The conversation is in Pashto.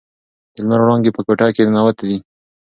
د لمر وړانګې په کوټه کې ننووتې دي.